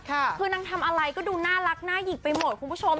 คือนางทำอะไรก็ดูน่ารักน่าหยิกไปหมดคุณผู้ชม